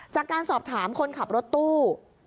จากการสอบถามคนขับรถตู้